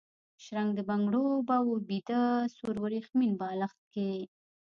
شرنګ د بنګړو، به و بیده سور وریښمین بالښت کي